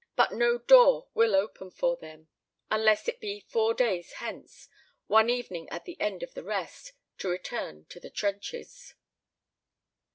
But no door will open for them unless it be four days hence, one evening at the end of the rest, to return to the trenches.